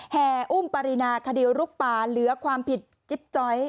แห่อุ้มปรินาคดีลุกป่าเหลือความผิดจิ๊บจ้อย